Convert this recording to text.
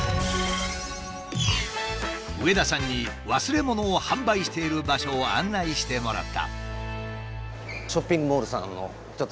上田さんに忘れ物を販売している場所を案内してもらった。